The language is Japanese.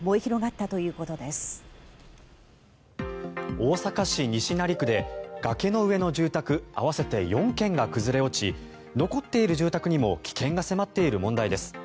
大阪市西成区で崖の上の住宅合わせて４軒が崩れ落ち残っている住宅にも危険が迫っている問題です。